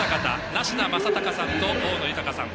梨田昌孝さんと大野豊さん。